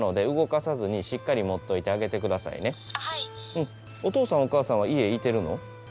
お父さんお母さんは家いてるの？